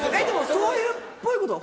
そういうっぽいことは。